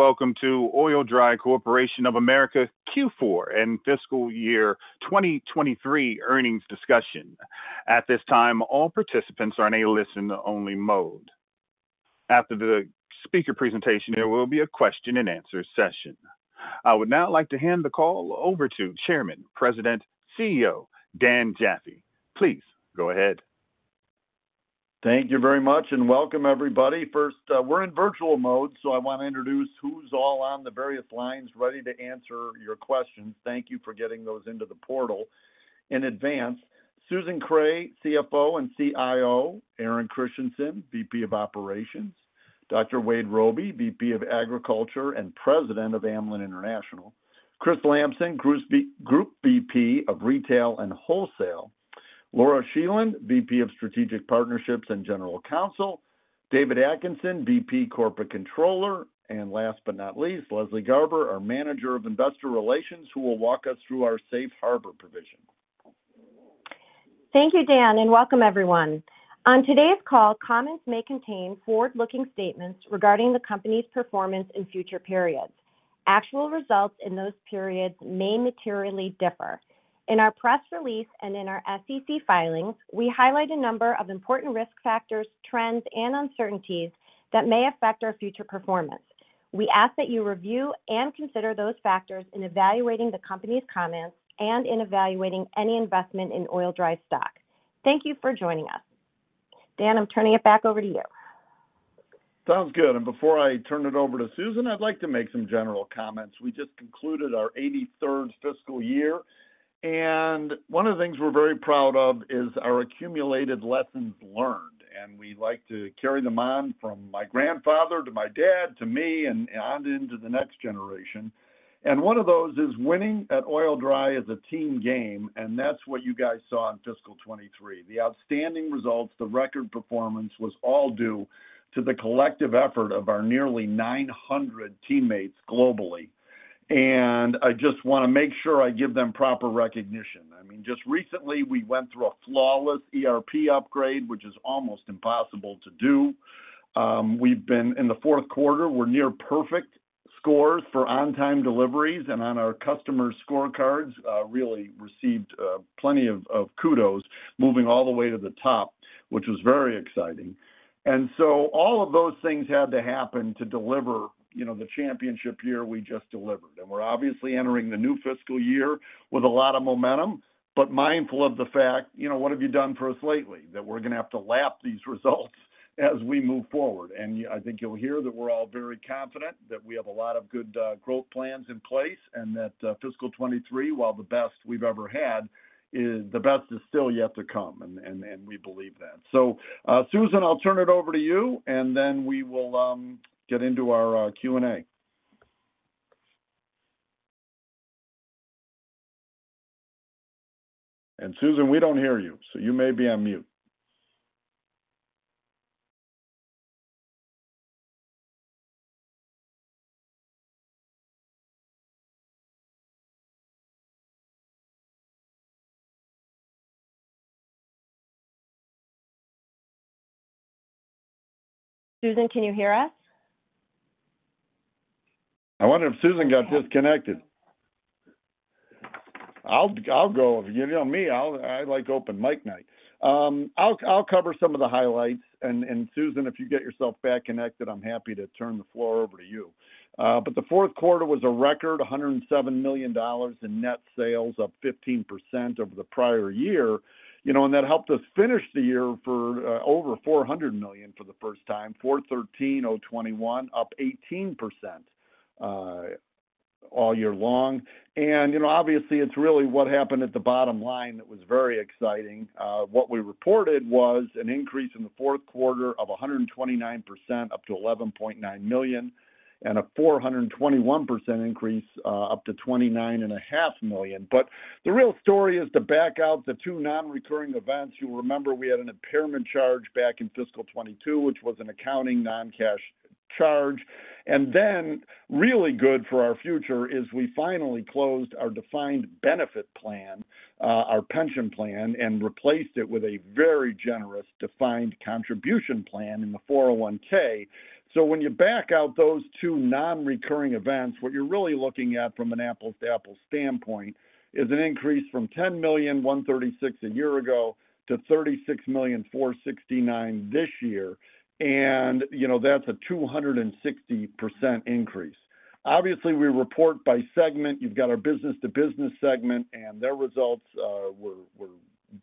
Welcome to Oil-Dri Corporation of America Q4 and fiscal year 2023 earnings discussion. At this time, all participants are in a listen-only mode. After the speaker presentation, there will be a question and answer session. I would now like to hand the call over to Chairman, President, CEO, Dan Jaffee. Please go ahead. Thank you very much and welcome, everybody. First, we're in virtual mode, so I want to introduce who's all on the various lines ready to answer your questions. Thank you for getting those into the portal in advance. Susan Kreh, CFO and CIO, Aaron Christiansen, VP of Operations, Dr. Wade Robey, VP of Agriculture and President of Amlan International, Chris Lamson, Group VP of Retail and Wholesale, Laura Scheland, VP of Strategic Partnerships and General Counsel, David Atkinson, VP Corporate Controller, and last but not least, Leslie Garber, our Manager of Investor Relations, who will walk us through our safe harbor provision. Thank you, Dan, and welcome everyone. On today's call, comments may contain forward-looking statements regarding the company's performance in future periods. Actual results in those periods may materially differ. In our press release and in our SEC filings, we highlight a number of important risk factors, trends, and uncertainties that may affect our future performance. We ask that you review and consider those factors in evaluating the company's comments and in evaluating any investment in Oil-Dri stock. Thank you for joining us. Dan, I'm turning it back over to you. Sounds good. Before I turn it over to Susan, I'd like to make some general comments. We just concluded our 83rd fiscal year, and one of the things we're very proud of is our accumulated lessons learned, and we like to carry them on from my grandfather to my dad to me and on into the next generation. One of those is winning at Oil-Dri is a team game, and that's what you guys saw in fiscal 2023. The outstanding results, the record performance, was all due to the collective effort of our nearly 900 teammates globally. And I just want to make sure I give them proper recognition. I mean, just recently, we went through a flawless ERP upgrade, which is almost impossible to do. We've been, in the fourth quarter, we're near perfect scores for on-time deliveries and on our customer scorecards, really received plenty of kudos moving all the way to the top, which was very exciting. And so all of those things had to happen to deliver, you know, the championship year we just delivered. And we're obviously entering the new fiscal year with a lot of momentum, but mindful of the fact, you know, what have you done for us lately? That we're going to have to lap these results as we move forward. And I think you'll hear that we're all very confident, that we have a lot of good growth plans in place, and that fiscal 2023, while the best we've ever had, is the best is still yet to come, and, and, and we believe that. So, Susan, I'll turn it over to you, and then we will get into our Q&A. Susan, we don't hear you, so you may be on mute. Susan, can you hear us? I wonder if Susan got disconnected. I'll go. You know me, I'll—I like open mic night. I'll cover some of the highlights, and Susan, if you get yourself back connected, I'm happy to turn the floor over to you. But the fourth quarter was a record, $107 million in net sales, up 15% over the prior year. You know, and that helped us finish the year for over $400 million for the first time, $413 million, up 18%, all year long. You know, obviously, it's really what happened at the bottom line that was very exciting. What we reported was an increase in the fourth quarter of 129%, up to $11.9 million, and a 421% increase, up to $29.5 million. But the real story is to back out the two nonrecurring events. You'll remember we had an impairment charge back in fiscal 2022, which was an accounting non-cash charge. And then, really good for our future, is we finally closed our defined benefit plan, our pension plan, and replaced it with a very generous defined contribution plan in the 401(k). So when you back out those two nonrecurring events, what you're really looking at from an apples-to-apples standpoint is an increase from $10.136 million a year ago to $36.469 million this year, and you know, that's a 260% increase. Obviously, we report by segment. You've got our business-to-business segment, and their results were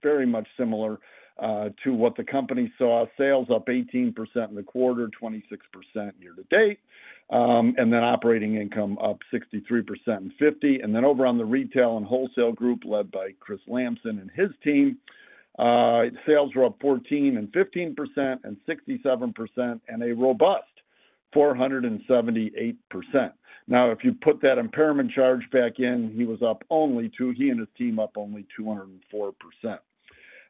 very much similar to what the company saw. Sales up 18% in the quarter, 26% year to date, and then operating income up 63% and 50%. And then over on the retail and wholesale group, led by Chris Lamson and his team, sales were up 14% and 15% and 67% and a robust 478%. Now, if you put that impairment charge back in, he and his team up only 204%.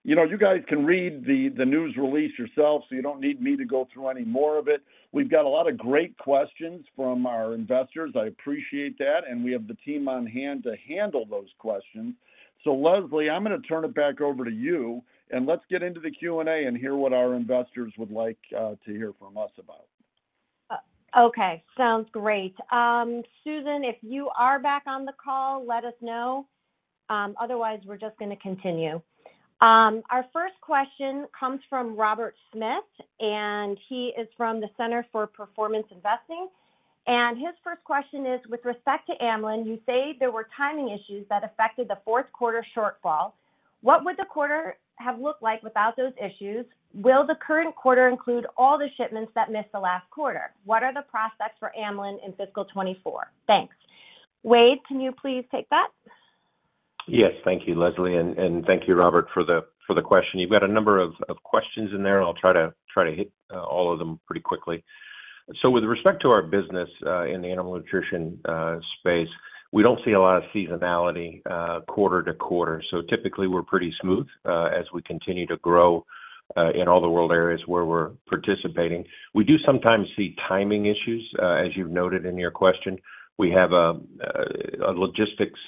You know, you guys can read the news release yourselves, so you don't need me to go through any more of it. We've got a lot of great questions from our investors. I appreciate that, and we have the team on hand to handle those questions. So Leslie, I'm going to turn it back over to you, and let's get into the Q&A and hear what our investors would like to hear from us about.... Okay, sounds great. Susan, if you are back on the call, let us know. Otherwise, we're just gonna continue. Our first question comes from Robert Smith, and he is from the Center for Performance Investing. His first question is: With respect to Amlan, you say there were timing issues that affected the fourth quarter shortfall. What would the quarter have looked like without those issues? Will the current quarter include all the shipments that missed the last quarter? What are the prospects for Amlan in fiscal 2024? Thanks. Wade, can you please take that? Yes. Thank you, Leslie, and thank you, Robert, for the question. You've got a number of questions in there. I'll try to hit all of them pretty quickly. So with respect to our business in the animal nutrition space, we don't see a lot of seasonality quarter to quarter. So typically, we're pretty smooth as we continue to grow in all the world areas where we're participating. We do sometimes see timing issues as you've noted in your question. We have a logistics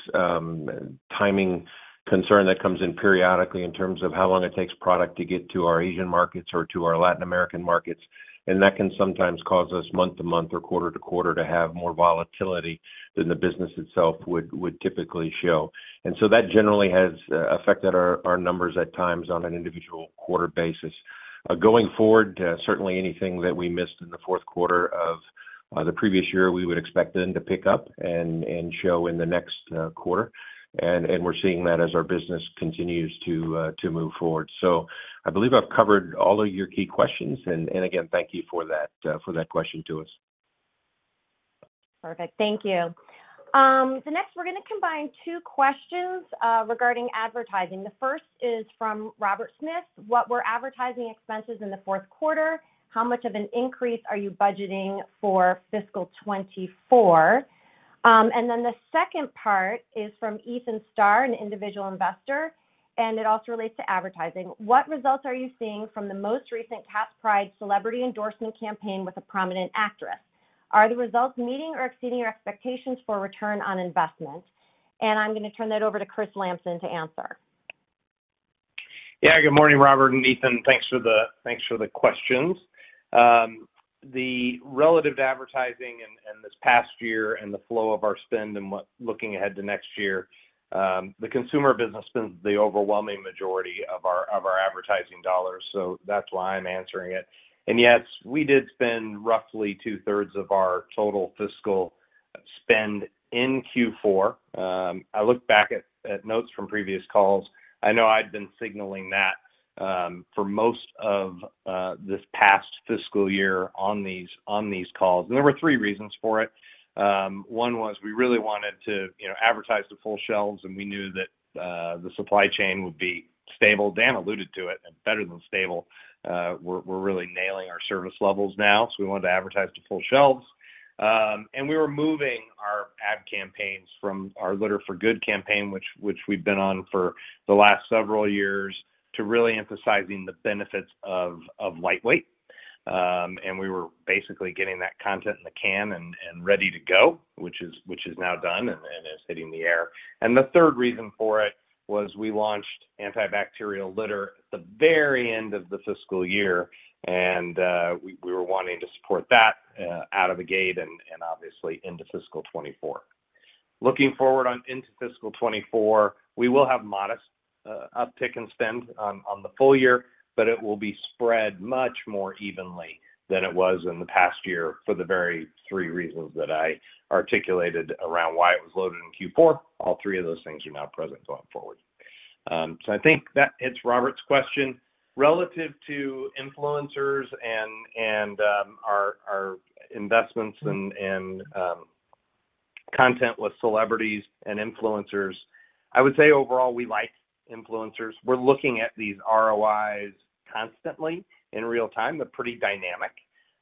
timing concern that comes in periodically in terms of how long it takes product to get to our Asian markets or to our Latin American markets, and that can sometimes cause us month to month or quarter to quarter to have more volatility than the business itself would typically show. And so that generally has affected our, our numbers at times on an individual quarter basis. Going forward, certainly anything that we missed in the fourth quarter of the previous year, we would expect then to pick up and, and show in the next quarter. And, and we're seeing that as our business continues to, to move forward. So I believe I've covered all of your key questions. And, and again, thank you for that, for that question to us. Perfect. Thank you. So next, we're gonna combine two questions regarding advertising. The first is from Robert Smith: What were advertising expenses in the fourth quarter? How much of an increase are you budgeting for fiscal 2024? And then the second part is from Ethan Starr, an individual investor, and it also relates to advertising: What results are you seeing from the most recent Cat's Pride celebrity endorsement campaign with a prominent actress? Are the results meeting or exceeding your expectations for return on investment? And I'm gonna turn that over to Chris Lamson to answer. Yeah, good morning, Robert and Ethan. Thanks for the questions. The relative advertising in this past year and the flow of our spend and what, looking ahead to next year, the consumer business spends the overwhelming majority of our advertising dollars, so that's why I'm answering it. Yes, we did spend roughly two-thirds of our total fiscal spend in Q4. I looked back at notes from previous calls. I know I'd been signaling that for most of this past fiscal year on these calls. There were three reasons for it. One was we really wanted to, you know, advertise to full shelves, and we knew that the supply chain would be stable. Dan alluded to it, and better than stable. We're really nailing our service levels now, so we wanted to advertise to full shelves. And we were moving our ad campaigns from our Litter for Good campaign, which we've been on for the last several years, to really emphasizing the benefits of lightweight. And we were basically getting that content in the can and ready to go, which is now done and is hitting the air. And the third reason for it was we launched antibacterial litter at the very end of the fiscal year, and we were wanting to support that out of the gate and obviously into fiscal 2024. Looking forward into fiscal 2024, we will have modest uptick in spend on the full year, but it will be spread much more evenly than it was in the past year for the very three reasons that I articulated around why it was loaded in Q4. All three of those things are now present going forward. So I think that hits Robert's question. Relative to influencers and our investments in content with celebrities and influencers, I would say overall, we like influencers. We're looking at these ROIs constantly in real time. They're pretty dynamic.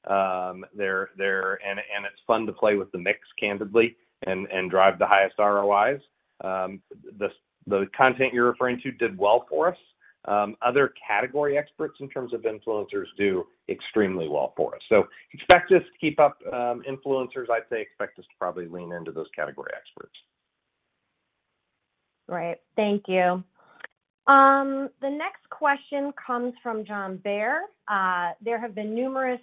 And it's fun to play with the mix, candidly, and drive the highest ROIs. The content you're referring to did well for us. Other category experts in terms of influencers do extremely well for us. So expect us to keep up, influencers. I'd say expect us to probably lean into those category experts. Great. Thank you. The next question comes from John Baer. There have been numerous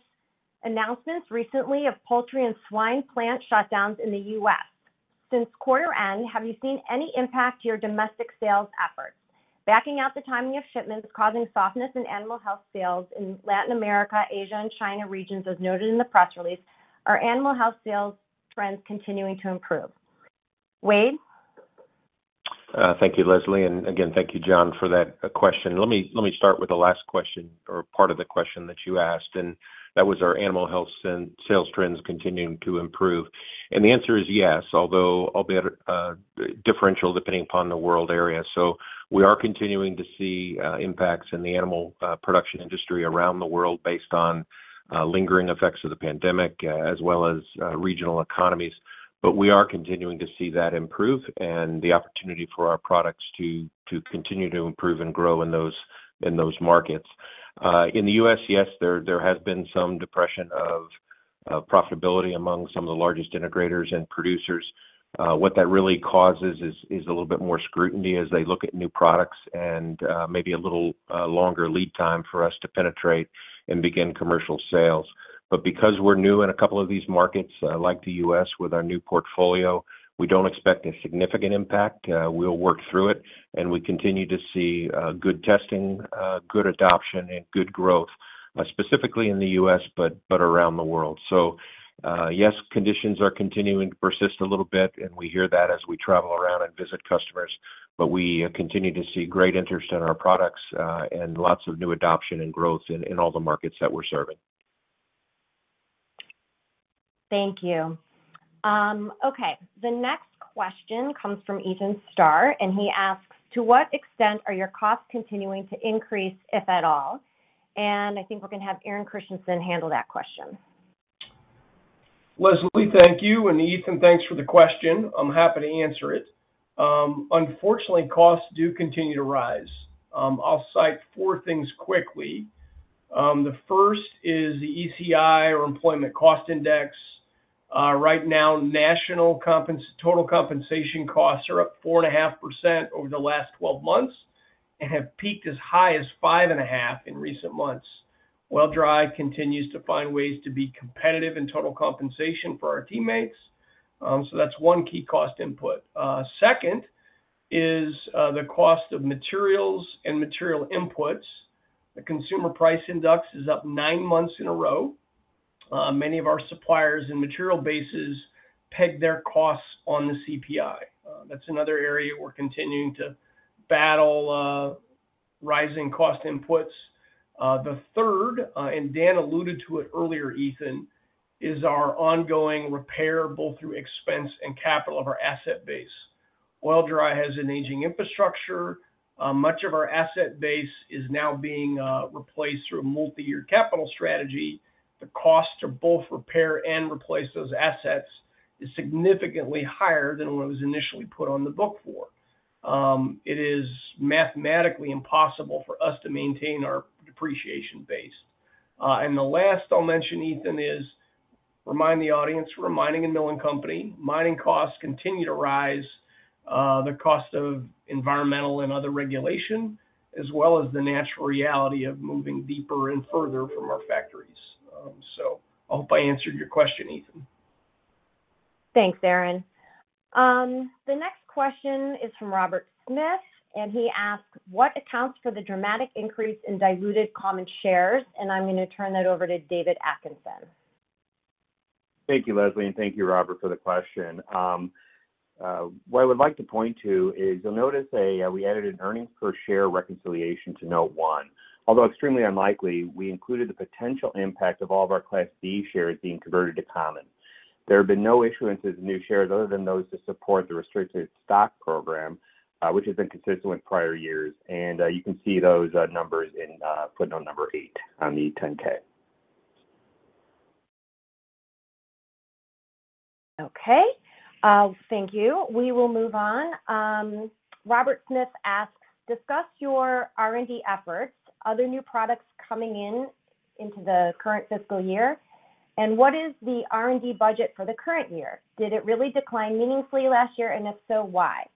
announcements recently of poultry and swine plant shutdowns in the U.S. Since quarter end, have you seen any impact to your domestic sales efforts? Backing out the timing of shipments causing softness in animal health sales in Latin America, Asia, and China regions, as noted in the press release, are animal health sales trends continuing to improve? Wade? Thank you, Leslie. And again, thank you, John, for that question. Let me, let me start with the last question or part of the question that you asked, and that was our animal health sales trends continuing to improve. And the answer is yes, although albeit, differential depending upon the world area. So we are continuing to see impacts in the animal production industry around the world based on lingering effects of the pandemic, as well as regional economies. But we are continuing to see that improve and the opportunity for our products to continue to improve and grow in those markets. In the U.S., yes, there has been some depression of profitability among some of the largest integrators and producers. What that really causes is a little bit more scrutiny as they look at new products and maybe a little longer lead time for us to penetrate and begin commercial sales. But because we're new in a couple of these markets, like the U.S. with our new portfolio, we don't expect a significant impact. We'll work through it, and we continue to see good testing, good adoption, and good growth, specifically in the U.S, but around the world. So, yes, conditions are continuing to persist a little bit, and we hear that as we travel around and visit customers, but we continue to see great interest in our products and lots of new adoption and growth in all the markets that we're serving. Thank you. Okay, the next question comes from Ethan Starr, and he asks: "To what extent are your costs continuing to increase, if at all?" And I think we're gonna have Aaron Christiansen handle that question. Leslie, thank you, and Ethan, thanks for the question. I'm happy to answer it. Unfortunately, costs do continue to rise. I'll cite four things quickly. The first is the ECI, or Employment Cost Index. Right now, total compensation costs are up 4.5% over the last 12 months and have peaked as high as five point five in recent months. Oil-Dri continues to find ways to be competitive in total compensation for our teammates. So that's one key cost input. Second is the cost of materials and material inputs. The Consumer Price Index is up nine months in a row. Many of our suppliers and material bases peg their costs on the CPI. That's another area we're continuing to battle rising cost inputs. The third, and Dan alluded to it earlier, Ethan, is our ongoing repair, both through expense and capital of our asset base. Oil-Dri has an aging infrastructure. Much of our asset base is now being replaced through a multiyear capital strategy. The costs to both repair and replace those assets is significantly higher than what it was initially put on the book for. It is mathematically impossible for us to maintain our depreciation base. And the last I'll mention, Ethan, is remind the audience, we're a mining and milling company. Mining costs continue to rise, the cost of environmental and other regulation, as well as the natural reality of moving deeper and further from our factories. So I hope I answered your question, Ethan. Thanks, Aaron. The next question is from Robert Smith, and he asks: "What accounts for the dramatic increase in diluted common shares?" And I'm gonna turn that over to David Atkinson. Thank you, Leslie, and thank you, Robert, for the question. What I would like to point to is you'll notice we added an earnings per share reconciliation to Note I. Although extremely unlikely, we included the potential impact of all of our Class B shares being converted to common. There have been no issuances of new shares other than those to support the restricted stock program, which has been consistent with prior years, and you can see those numbers in footnote number eight on the 10-K. Okay, thank you. We will move on. Robert Smith asks: "Discuss your R&D efforts. Are there new products coming in into the current fiscal year? And what is the R&D budget for the current year? Did it really decline meaningfully last year, and if so, why?"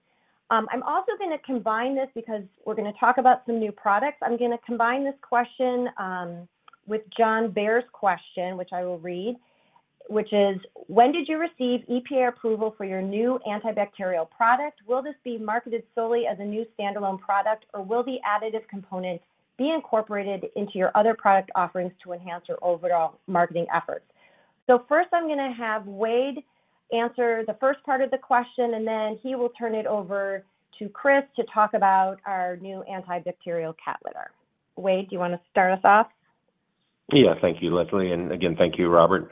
I'm also gonna combine this, because we're gonna talk about some new products. I'm gonna combine this question, with John Baer's question, which I will read, which is: "When did you receive EPA approval for your new antibacterial product? Will this be marketed solely as a new standalone product, or will the additive component be incorporated into your other product offerings to enhance your overall marketing efforts?" So first, I'm gonna have Wade answer the first part of the question, and then he will turn it over to Chris to talk about our new antibacterial cat litter. Wade, do you wanna start us off? Yeah. Thank you, Leslie, and again, thank you, Robert.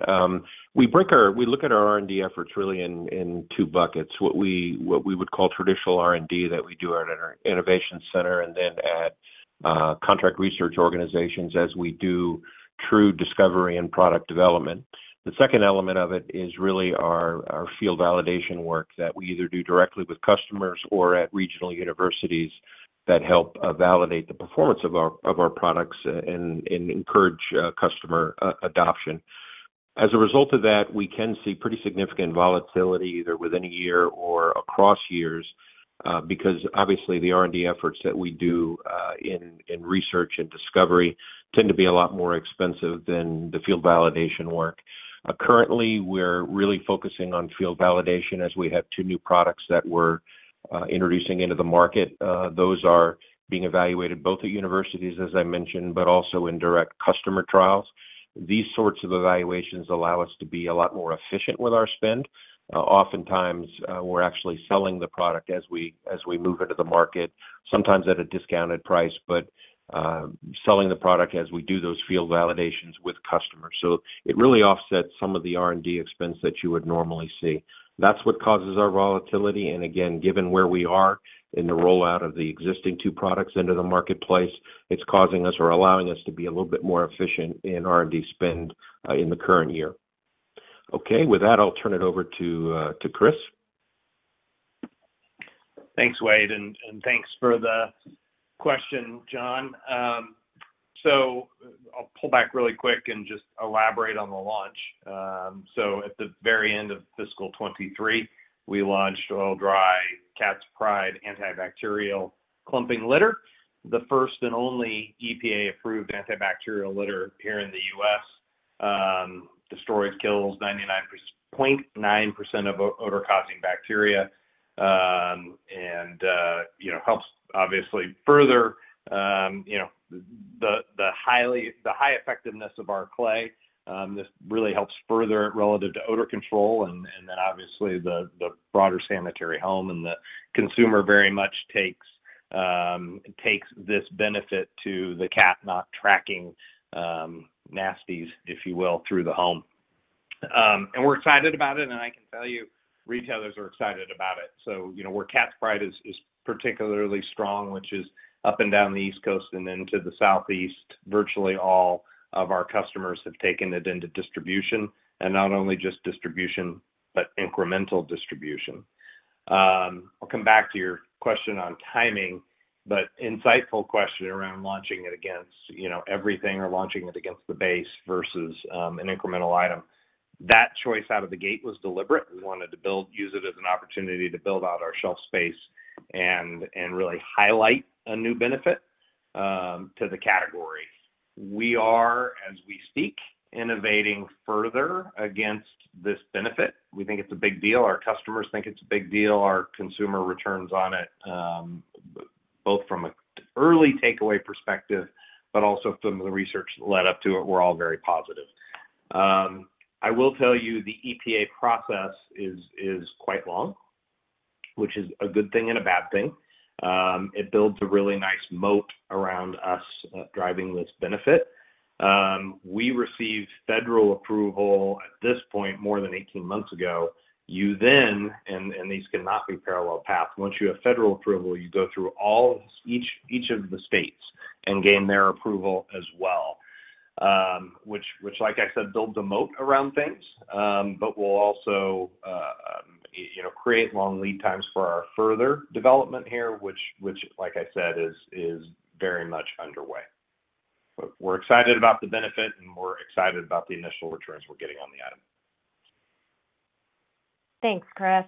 We look at our R&D efforts really in two buckets. What we would call traditional R&D that we do at our innovation center, and then at contract research organizations, as we do true discovery and product development. The second element of it is really our field validation work that we either do directly with customers or at regional universities that help validate the performance of our products and encourage customer adoption. As a result of that, we can see pretty significant volatility, either within a year or across years, because obviously, the R&D efforts that we do in research and discovery tend to be a lot more expensive than the field validation work. Currently, we're really focusing on field validation as we have two new products that we're introducing into the market. Those are being evaluated both at universities, as I mentioned, but also in direct customer trials. These sorts of evaluations allow us to be a lot more efficient with our spend. Oftentimes, we're actually selling the product as we move into the market, sometimes at a discounted price, but selling the product as we do those field validations with customers. So it really offsets some of the R&D expense that you would normally see. That's what causes our volatility, and again, given where we are in the rollout of the existing two products into the marketplace, it's causing us or allowing us to be a little bit more efficient in R&D spend in the current year. Okay. With that, I'll turn it over to Chris. Thanks, Wade, and thanks for the question, John. I'll pull back really quick and just elaborate on the launch. At the very end of fiscal 2023, we launched Oil-Dri Cat's Pride Antibacterial Clumping Litter, the first and only EPA-approved antibacterial litter here in the U.S. Destroys, kills 99.9% of odor-causing bacteria, and, you know, helps obviously further, you know, the high effectiveness of our clay. This really helps further it relative to odor control and then obviously the broader sanitary home, and the consumer very much takes this benefit to the cat not tracking, nasties, if you will, through the home. We're excited about it, and I can tell you, retailers are excited about it. So, you know, where Cat's Pride is, is particularly strong, which is up and down the East Coast and then to the Southeast, virtually all of our customers have taken it into distribution, and not only just distribution, but incremental distribution. I'll come back to your question on timing, but insightful question around launching it against, you know, everything or launching it against the base versus, an incremental item. That choice out of the gate was deliberate. We wanted to use it as an opportunity to build out our shelf space and really highlight a new benefit to the category. We are, as we speak, innovating further against this benefit. We think it's a big deal. Our customers think it's a big deal. Our consumer returns on it, both from an early takeaway perspective, but also from the research that led up to it, were all very positive. I will tell you, the EPA process is quite long, which is a good thing and a bad thing. It builds a really nice moat around us, driving this benefit. We received federal approval at this point, more than 18 months ago. You then and these cannot be parallel paths. Once you have federal approval, you go through each of the states and gain their approval as well, which, like I said, builds a moat around things, but will also, you know, create long lead times for our further development here, which, like I said, is very much underway. We're excited about the benefit, and we're excited about the initial returns we're getting on the item. Thanks, Chris.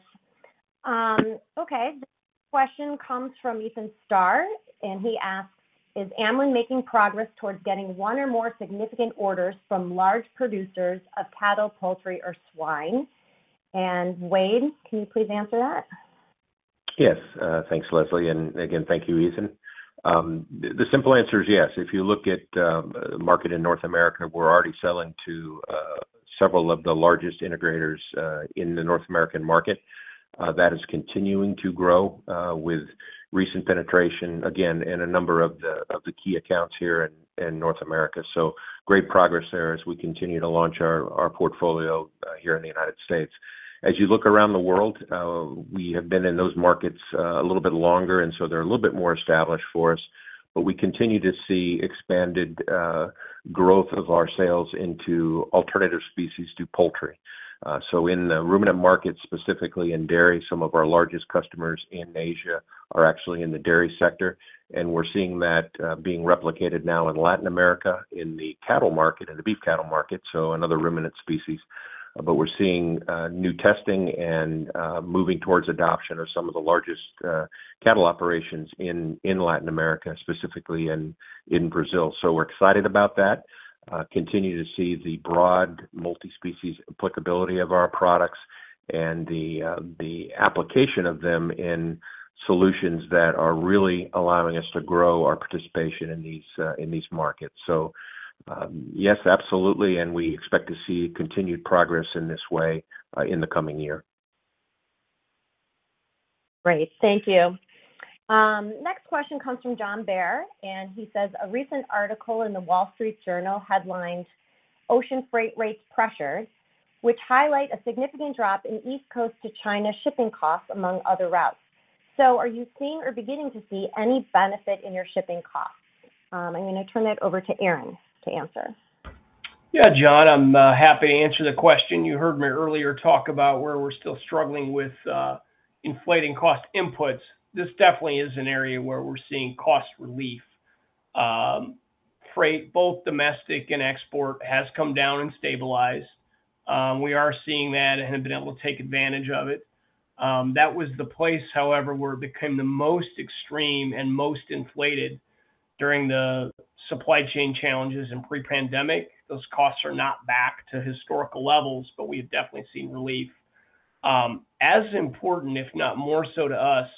Okay, the question comes from Ethan Starr, and he asks: Is Amlan making progress towards getting one or more significant orders from large producers of cattle, poultry, or swine? And Wade, can you please answer that? Yes. Thanks, Leslie, and again, thank you, Ethan. The simple answer is yes. If you look at the market in North America, we're already selling to several of the largest integrators in the North American market. That is continuing to grow with recent penetration, again, in a number of the key accounts here in North America. So great progress there as we continue to launch our portfolio here in the United States. As you look around the world, we have been in those markets a little bit longer, and so they're a little bit more established for us. But we continue to see expanded growth of our sales into alternative species to poultry. So in the ruminant market, specifically in dairy, some of our largest customers in Asia are actually in the dairy sector, and we're seeing that being replicated now in Latin America, in the cattle market, in the beef cattle market, so another ruminant species. But we're seeing new testing and moving towards adoption of some of the largest cattle operations in Latin America, specifically in Brazil. So we're excited about that. Continue to see the broad multi-species applicability of our products and the application of them in solutions that are really allowing us to grow our participation in these markets. So, yes, absolutely, and we expect to see continued progress in this way in the coming year. Great. Thank you. Next question comes from John Baer, and he says, "A recent article in The Wall Street Journal headlined Ocean Freight Rates Pressured, which highlight a significant drop in East Coast to China shipping costs, among other routes. So are you seeing or beginning to see any benefit in your shipping costs?" I'm going to turn that over to Aaron to answer. Yeah, John, I'm happy to answer the question. You heard me earlier talk about where we're still struggling with inflating cost inputs. This definitely is an area where we're seeing cost relief. Freight, both domestic and export, has come down and stabilized. We are seeing that and have been able to take advantage of it. That was the place, however, where it became the most extreme and most inflated during the supply chain challenges in pre-pandemic. Those costs are not back to historical levels, but we've definitely seen relief. As important, if not more so to us,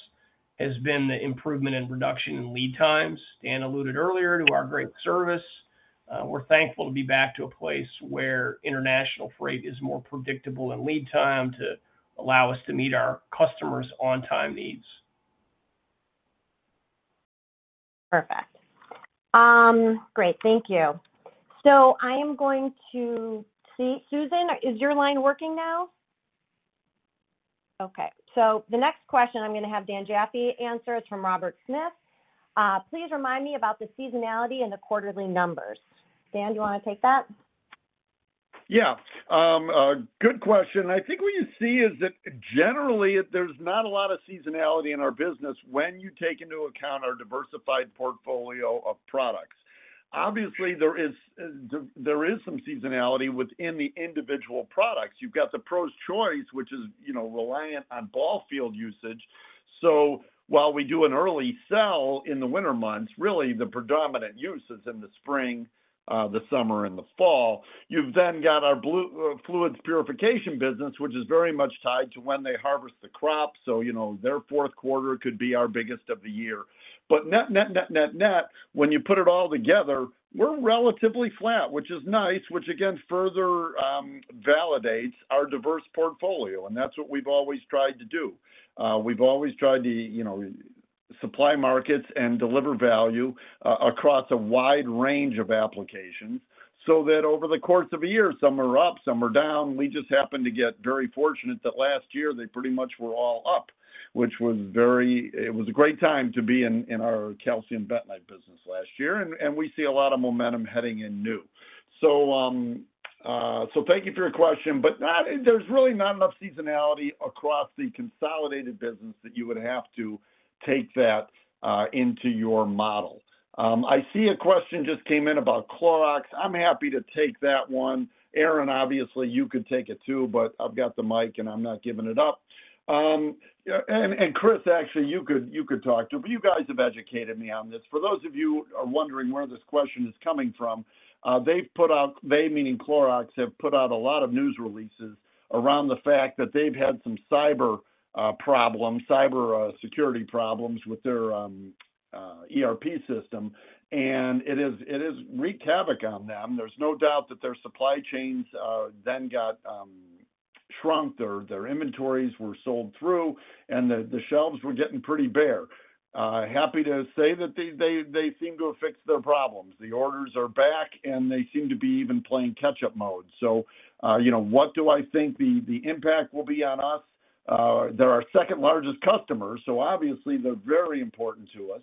has been the improvement in reduction in lead times. Dan alluded earlier to our great service. We're thankful to be back to a place where international freight is more predictable in lead time to allow us to meet our customers' on-time needs. Perfect. Great. Thank you. So I am going to... See, Susan, is your line working now? Okay, so the next question I'm gonna have Dan Jaffee answer is from Robert Smith. "Please remind me about the seasonality and the quarterly numbers." Dan, do you want to take that?... Yeah, a good question. I think what you see is that generally, there's not a lot of seasonality in our business when you take into account our diversified portfolio of products. Obviously, there is some seasonality within the individual products. You've got the Pro's Choice, which is, you know, reliant on ball field usage. So while we do an early sell in the winter months, really the predominant use is in the spring, the summer, and the fall. You've then got our bleaching fluids purification business, which is very much tied to when they harvest the crops. So, you know, their fourth quarter could be our biggest of the year. But net, net, net, net, net, when you put it all together, we're relatively flat, which is nice, which again, further, validates our diverse portfolio, and that's what we've always tried to do. We've always tried to, you know, supply markets and deliver value across a wide range of applications so that over the course of a year, some are up, some are down. We just happen to get very fortunate that last year they pretty much were all up, which was it was a great time to be in, in our calcium bentonite business last year, and we see a lot of momentum heading in new. So, so thank you for your question, but there's really not enough seasonality across the consolidated business that you would have to take that into your model. I see a question just came in about Clorox. I'm happy to take that one. Aaron, obviously, you could take it, too, but I've got the mic, and I'm not giving it up. Yeah, and, Chris, actually, you could talk to, but you guys have educated me on this. For those of you are wondering where this question is coming from, they've put out, they meaning Clorox, have put out a lot of news releases around the fact that they've had some cyber problems, cyber security problems with their ERP system, and it has wreaked havoc on them. There's no doubt that their supply chains then got shrunk, or their inventories were sold through, and the shelves were getting pretty bare. Happy to say that they seem to have fixed their problems. The orders are back, and they seem to be even playing catch-up mode. So, you know, what do I think the impact will be on us? They're our second-largest customer, so obviously, they're very important to us.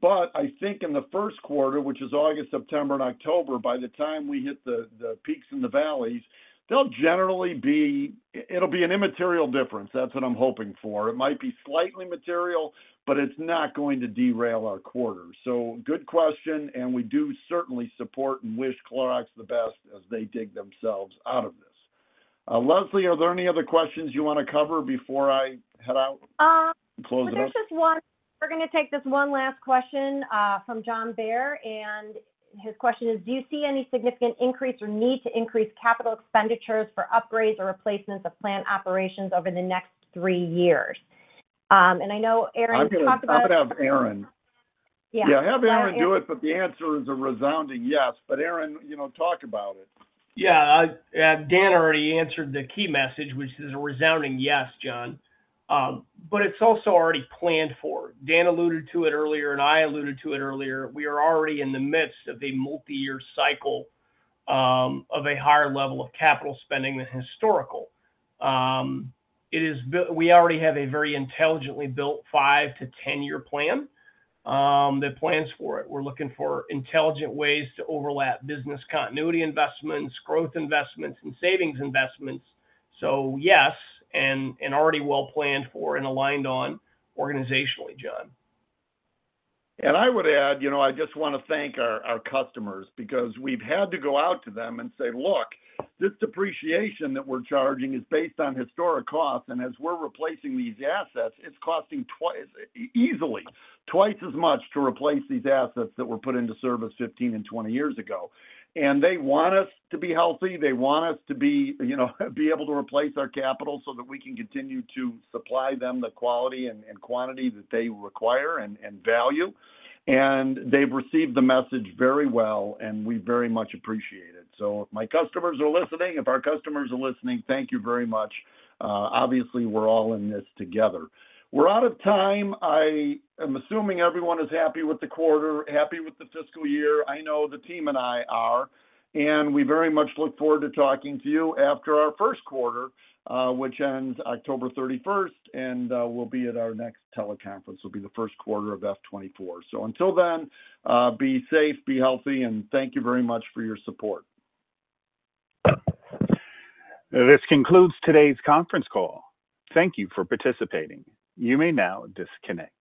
But I think in the first quarter, which is August, September, and October, by the time we hit the peaks and the valleys, they'll generally be. It, it'll be an immaterial difference. That's what I'm hoping for. It might be slightly material, but it's not going to derail our quarter. So good question, and we do certainly support and wish Clorox the best as they dig themselves out of this. Leslie, are there any other questions you wanna cover before I head out, close it up? Well, there's just one. We're gonna take this one last question from John Baer, and his question is: Do you see any significant increase or need to increase capital expenditures for upgrades or replacements of plant operations over the next three years? And I know Aaron, you talked about- I'm gonna have Aaron. Yeah. Yeah, have Aaron do it, but the answer is a resounding yes. But Aaron, you know, talk about it. Yeah, Dan already answered the key message, which is a resounding yes, John. But it's also already planned for. Dan alluded to it earlier, and I alluded to it earlier. We are already in the midst of a multi-year cycle of a higher level of capital spending than historical. It is built. We already have a very intelligently built five to 10-year plan that plans for it. We're looking for intelligent ways to overlap business continuity investments, growth investments, and savings investments. So yes, and, and already well planned for and aligned on organizationally, John. And I would add, you know, I just wanna thank our, our customers because we've had to go out to them and say, "Look, this depreciation that we're charging is based on historic costs, and as we're replacing these assets, it's costing twice, easily twice as much to replace these assets that were put into service 15 and 20 years ago." And they want us to be healthy. They want us to be, you know, be able to replace our capital so that we can continue to supply them the quality and, and quantity that they require and, and value. And they've received the message very well, and we very much appreciate it. So if my customers are listening, if our customers are listening, thank you very much. Obviously, we're all in this together. We're out of time. I am assuming everyone is happy with the quarter, happy with the fiscal year. I know the team and I are, and we very much look forward to talking to you after our first quarter, which ends October 31st, and, we'll be at our next teleconference. It'll be the first quarter of F 2024. So until then, be safe, be healthy, and thank you very much for your support. This concludes today's conference call. Thank you for participating. You may now disconnect.